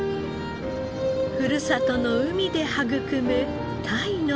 ふるさとの海で育む鯛の味。